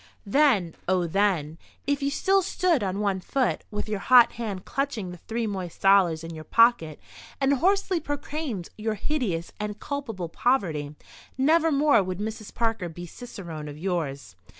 Then—oh, then—if you still stood on one foot, with your hot hand clutching the three moist dollars in your pocket, and hoarsely proclaimed your hideous and culpable poverty, nevermore would Mrs. Parker be cicerone of yours.